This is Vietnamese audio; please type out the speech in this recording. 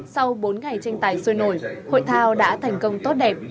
sau bốn ngày tranh tài sôi nổi hội thao đã thành công tốt đẹp